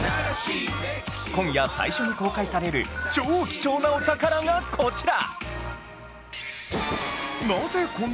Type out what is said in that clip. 今夜最初に公開される超貴重なお宝がこちら！